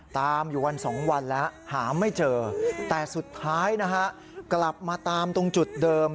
ตามอยู่วันสองวันแล้วหาไม่เจอแต่สุดท้ายนะฮะกลับมาตามตรงจุดเดิม